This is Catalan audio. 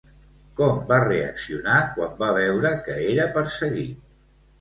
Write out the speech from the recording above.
Com va reaccionar quan va veure que era perseguit?